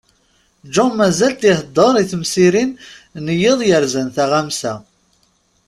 John mazal-t iḥeddeṛ i temsirin n yiḍ yerzan taɣamsa.